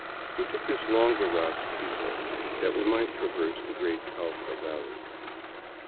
We took this longer route to Quito that we might traverse the great Cauca valley.